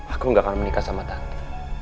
aku gak akan menikah sama tante